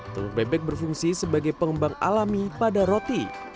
telur bebek berfungsi sebagai pengembang alami pada roti